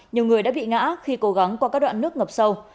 nhiều người đã bị ngã khi cố gắng qua các đoạn nước ngập sâu